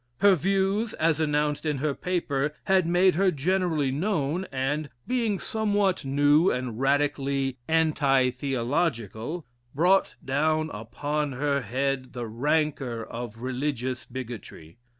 Her views, as announced in her paper, had made her generally known, and, being somewhat new and radically "anti theological," brought down upon her head the rancor of religious bigotry.